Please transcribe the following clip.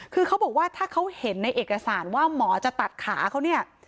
คือเขาบอกว่าถ้าเขาเห็นในเอกสารว่าหมอจะตัดขาเขาเนี่ย